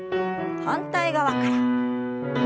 反対側から。